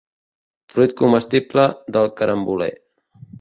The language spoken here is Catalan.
Fruit comestible del caramboler.